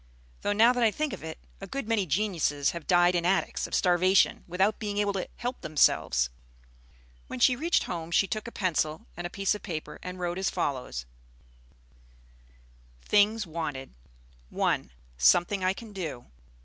Though now that I think of it, a good many geniuses have died in attics, of starvation, without being able to help themselves." When she reached home she took a pencil and a piece of paper and wrote as follows: Things Wanted. 1. Something I can do. 2.